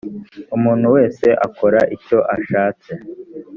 umuntu wese yakoraga icyo ashatse